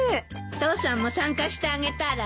父さんも参加してあげたら？